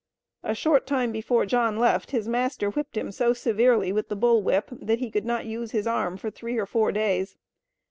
A short time before John left his master whipped him so severely with the "bull whip" that he could not use his arm for three or four days.